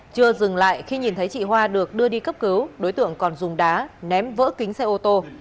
chưa dừng lại khi nhìn thấy chị hoa được đưa đi cấp cứu đối tượng còn dùng đá ném vỡ kính xe ô tô